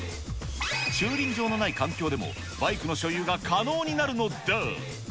駐輪場のない環境でも、バイクの所有が可能になるのだ。